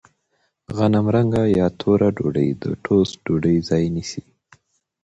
غنمرنګه یا توره ډوډۍ د ټوسټ ډوډۍ ځای نیسي.